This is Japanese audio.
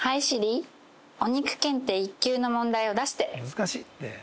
難しいって。